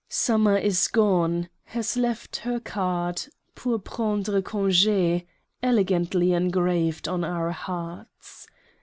Summer is gone —has left her Card, pour prendre TO W. A. CONWAY. 21 Conge, elegantly engraved on our hearts.